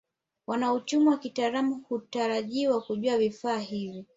Wanauchumi wa kitaalamu hutarajiwa kujua vifaa hivi